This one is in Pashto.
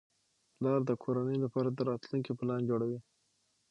پلار د کورنۍ لپاره د راتلونکي پلان جوړوي